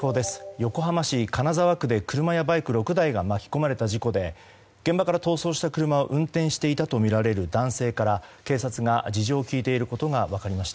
横浜市金沢区で車やバイク６台が巻き込まれた事故で現場から逃走した車を運転していたとみられる男性から警察が事情を聴いていることが分かりました。